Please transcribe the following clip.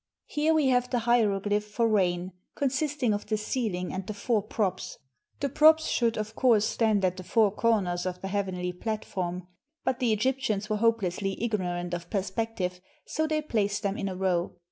Here we have the hieroglyph for rain iffff\ consist ing of the ceiling and the four props. The 1 1 1 1 props should, of course, stand at the four comers of the heav enly platform ; but the Egyptians were hopelessly igno rant of perspective, so they placed them in a row.